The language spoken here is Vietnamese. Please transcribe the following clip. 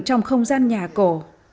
trong không gian nhà cổ